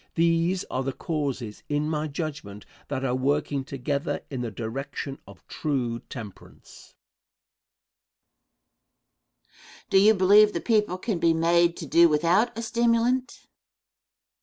These are the causes, in my judgment, that are working together in the direction of true temperance. Question. Do you believe the people can be made to do without a stimulant?